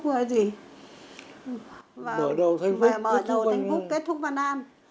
mở đầu thanh phúc kết thúc văn an